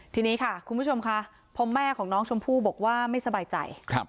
ทีนี้ค่ะคุณผู้ชมค่ะพอแม่ของน้องชมพู่บอกว่าไม่สบายใจ